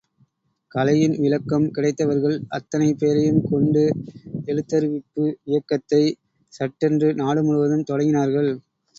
கலையின் விளக்கம் கிடைத்தவர்கள் அத்தனை பேரையும் கொண்டு, எழுத்தறிவிப்பு இயக்கத்தைச் சட்டென்று நாடு முழுவதும் தொடங்கினார்கள்.